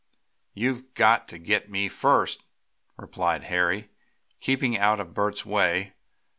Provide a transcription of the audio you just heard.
"You've got to get me first!" replied Harry, keeping out of Bert's way.